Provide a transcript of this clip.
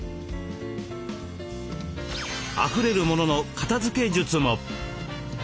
あふれる物の片づけ術も。